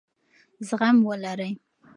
زغم ولرئ.